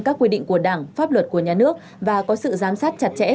các quy định của đảng pháp luật của nhà nước và có sự giám sát chặt chẽ